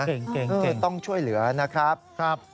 เก่งต้องช่วยเหลือนะครับ